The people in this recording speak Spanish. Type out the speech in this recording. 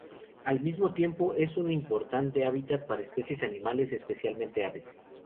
Al mismo tiempo es un importante hábitat para especies animales, especialmente aves.